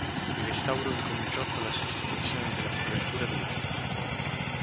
Il restauro incominciò con la sostituzione della copertura delle cupole.